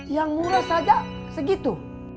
yang murah saja segitu